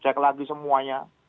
cek lagi semuanya